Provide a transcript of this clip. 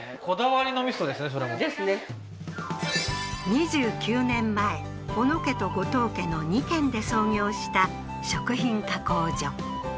２９年前小野家と後藤家の２軒で創業した食品加工所